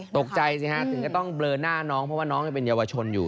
ตกใจสิฮะถึงก็ต้องเบลอหน้าน้องเพราะว่าน้องยังเป็นเยาวชนอยู่